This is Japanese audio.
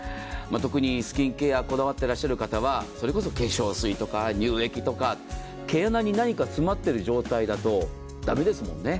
特にスキケア、こだわっていらっしゃる方は、それこそ化粧水とか乳液とか、毛穴に何か詰まってる状態だとダメですもんね。